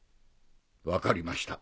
分かりました